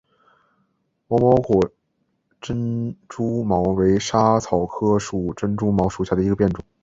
柔毛果珍珠茅为莎草科珍珠茅属下的一个变种。